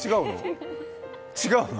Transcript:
違うの？